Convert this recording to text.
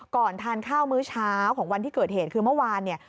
ก่อนทานข้าวมื้อเช้าของวันที่เกิดเหตุคือเมื่อวานเนี่ย